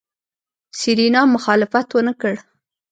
سېرېنا مخالفت ونکړ.